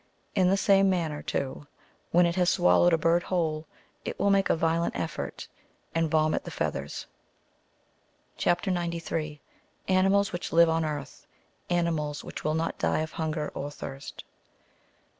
In the same manner, too, when it has swallowed a bird whole, it will make a violent effort, and vomit the feathers. CHIP. 93. AXIilALS WHICH LIVE ON EARTH — ANIIUiALS WHICH WILL NOT DIE OF HUNGER OK THIRST.